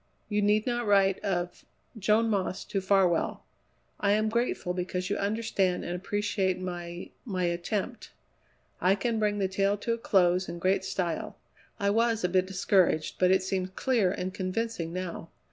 You need not write of Joan Moss to Farwell. I am grateful because you understand and appreciate my my attempt. I can bring the tale to a close in great style. I was a bit discouraged, but it seems clear and convincing now.